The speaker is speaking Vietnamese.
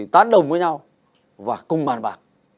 tất cả các dịch vụ